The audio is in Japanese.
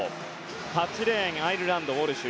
８レーン、アイルランドウォルシュ。